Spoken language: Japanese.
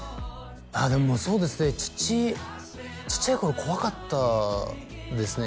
でもそうですね父ちっちゃい頃怖かったですね